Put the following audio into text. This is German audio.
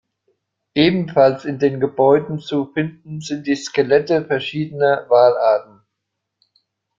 Ebenfalls in den Gebäuden zu finden sind die Skelette verschiedener Walarten.